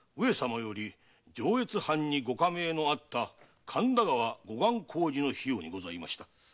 上越藩にご下命のあった神田川護岸工事の費用にございました。